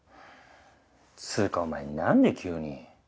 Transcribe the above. つーかお前なんで急に。